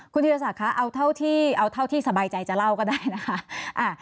คุณธีรศักดิ์คะเอาเท่าที่สบายใจจะเล่าก็ได้นะคะ